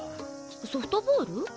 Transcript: ソフトボール？